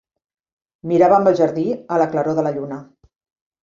Miràvem el jardí a la claror de la lluna.